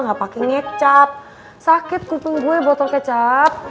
gak pake ngecap sakit kuping gue botol kecap